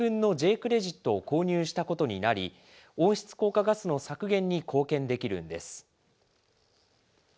クレジットを購入したことになり、温室効果ガスの削減に貢献できるんです。